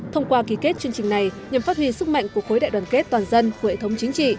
thông qua ký kết chương trình này nhằm phát huy sức mạnh của khối đại đoàn kết toàn dân của hệ thống chính trị